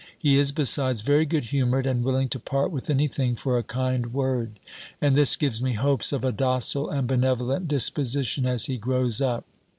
He is, besides, very good humoured, and willing to part with anything for a kind word: and this gives me hopes of a docile and benevolent disposition, as he grows up.